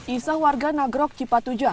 isah warga nagrok cipatuja